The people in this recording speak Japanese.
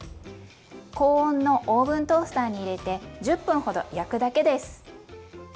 高温のオーブントースターに入れて１０分ほど焼くだけです。